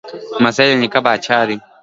لمسی د نیکه پاچا دی.